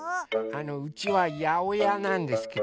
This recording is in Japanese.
あのうちはやおやなんですけど。